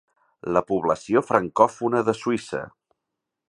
La població francòfona de Suïssa.